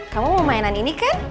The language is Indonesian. kamu mau mainan ini kan